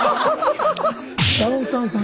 「ダウンタウンさん